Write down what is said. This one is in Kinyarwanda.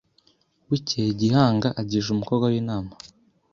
bukeye Gihanga agisha umukobwa we inama,